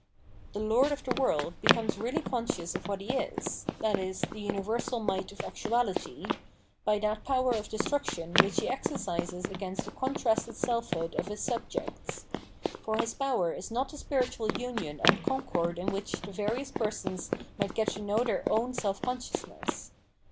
* The lord of the world becomes really conscious of what he is, — ^viz. the universal might of actuality, — by that power of destruction which he exercises against the contrasted selfhood of his subjects. For his power is not the spiritual union and concord in which the various persons might get to know their own self consciousness.